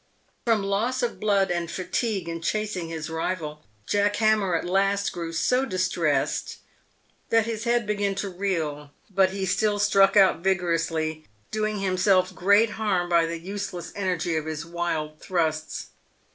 From loss of blood and fatigue in chasing his rival, Jack Ham mer at last grew so distressed that his head began to reel, but he still struck out vigorously, doing himself great harm by the useless energy of his wild thrusts.